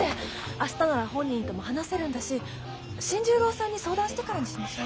明日なら本人とも話せるんだし新十郎さんに相談してからにしましょう。